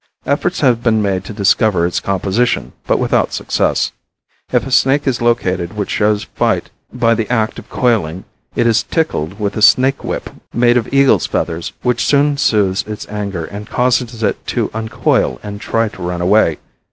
Efforts have been made to discover its composition but without success. If a snake is located which shows fight by the act of coiling it is tickled with a snake whip made of eagle's feathers, which soon soothes its anger and causes it to uncoil and try to run away.